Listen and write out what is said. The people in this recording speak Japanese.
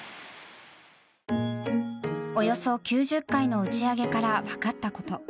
およそ９０回の打ち上げから分かったこと。